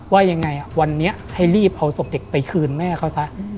ว่ายังไงวันนี้ให้รีบเอาศพเด็กไปคืนแม่เขาซะ